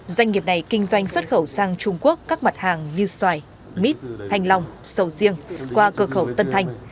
doanh nghiệp này kinh doanh xuất khẩu sang trung quốc các mặt hàng như xoài mít thanh long sầu riêng qua cửa khẩu tân thanh